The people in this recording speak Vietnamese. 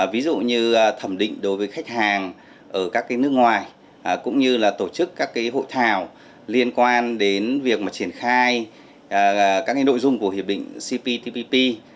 ví dụ như thẩm định đối với khách hàng ở các nước ngoài cũng như là tổ chức các hội thảo liên quan đến việc triển khai các nội dung của hiệp định cptpp